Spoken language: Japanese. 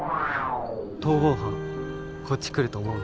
逃亡犯こっち来ると思う？